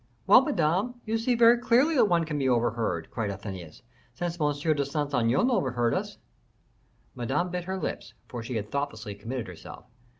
"Well, Madame, you see very clearly that one can be overheard," cried Athenais, "since M. de Saint Aignan overheard us." Madame bit her lips, for she had thoughtlessly committed herself.